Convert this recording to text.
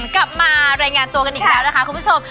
กลับมารายงานตัวกันอีกแล้วนะคะคุณผู้ชม